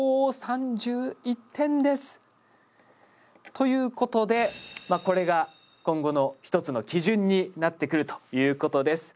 ということでこれが今後の一つの基準になってくるということです。